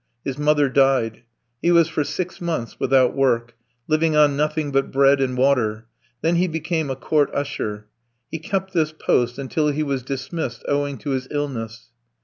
His mother died. He was for six months without work, living on nothing but bread and water; then he became a court usher. He kept this post until he was dismissed owing to his illness.